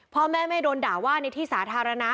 พ่อแม่ไม่โดนด่าว่าในที่สาธารณะ